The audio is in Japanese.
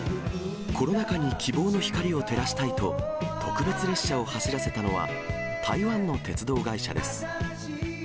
コロナ禍に希望の光を照らしたいと、特別列車を走らせたのは、台湾の鉄道会社です。